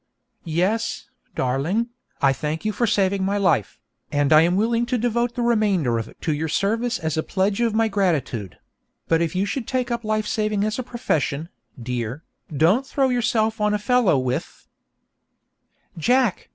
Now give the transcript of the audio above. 'Yes, darling, I thank you for saving my life, and I am willing to devote the remainder of it to your service as a pledge of my gratitude; but if you should take up life saving as a profession, dear, don't throw yourself on a fellow with ' 'Jack!